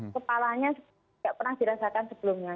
kepalanya tidak pernah dirasakan sebelumnya